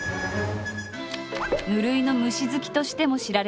無類の虫好きとしても知られている。